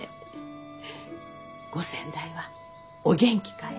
ご先代はお元気かえ？